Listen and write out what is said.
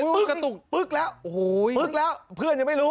ปึ๊กตุ้งปึ๊กแล้วโอโฮเพื่อนยังไม่รู้